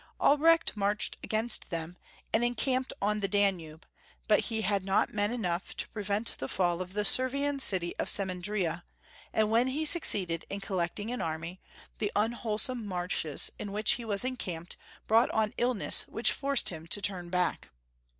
Albrecht marched against them, and encamped on the Danube, but he had not men enough to pre vent the fall of the Servian city of Semeiidria, and when he succeeded in collecting an army, the 243 244 Young Folks' Sisfyn/ of Germany. unwholesome marshes in which he was encamped brought on iUness which forced him to turn back.